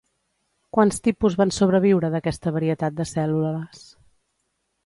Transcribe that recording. Quants tipus van sobreviure d'aquesta varietat de cèl·lules?